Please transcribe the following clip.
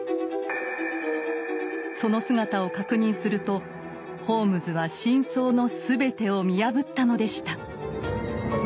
その姿を確認するとホームズは真相の全てを見破ったのでした。